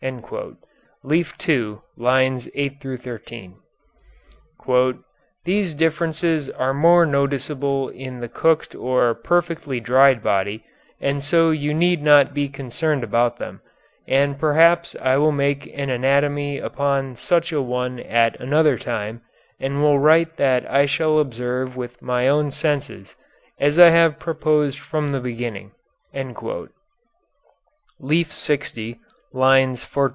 (Leaf 2, lines 8 13.) "... these differences are more noticeable in the cooked or perfectly dried body, and so you need not be concerned about them, and perhaps I will make an anatomy upon such a one at another time and will write what I shall observe with my own senses, as I have proposed from the beginning." (Leaf 60, lines 14 17.)